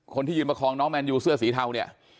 คนที่ยืนประคองน้องแมนยูเสื้อสีเทาเนี่ย